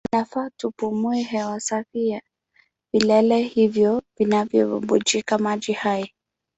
Inafaa tupumue hewa safi ya vilele hivyo vinavyobubujika maji hai.